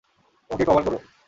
ওকে cover করো!